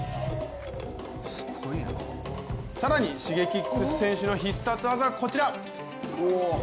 更にＳｈｉｇｅｋｉｘ選手の必殺技こちら！